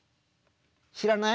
知らない？